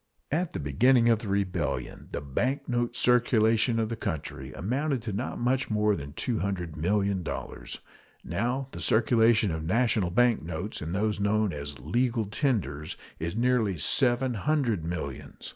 At the beginning of the rebellion the bank note circulation of the country amounted to not much more than $200,000,000; now the circulation of national bank notes and those known as "legal tenders" is nearly seven hundred millions.